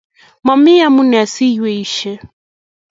Mami amunee si iyweishe